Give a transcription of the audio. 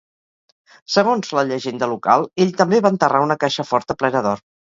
Segons la llegenda local, ell també va enterrar una caixa forta plena d'or.